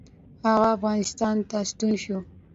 هغه افغانستان ته ستون شو.